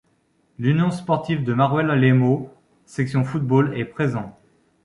L'Union Sportive de Mareuil-lès-Meaux section football est présent.